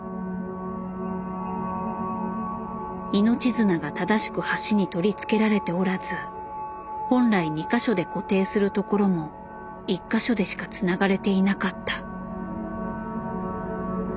命綱が正しく橋に取り付けられておらず本来２か所で固定するところも１か所でしかつながれていなかった。